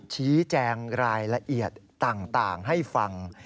ชี้แจงรายละเอียดต่างให้ฟัง